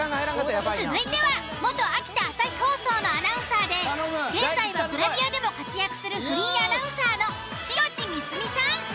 続いては元秋田朝日放送のアナウンサーで現在はグラビアでも活躍するフリーアナウンサーの塩地美澄さん。